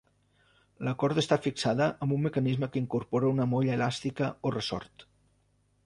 La corda està fixada amb un mecanisme que incorpora una molla elàstica o ressort.